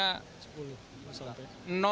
rp sepuluh sampai rp sepuluh